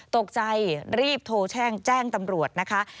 ตกใจรีบโทรแจ้งแจ้งตำรวจนะคะ